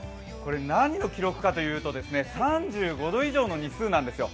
何の記録かというと、３５度以上の日数なんですよ。